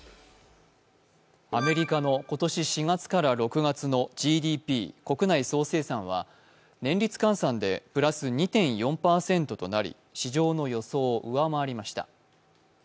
アメリカの今年４月から６月のＧＤＰ＝国内総生産は年率換算でプラス２．４％となり市場の予想を上回りました。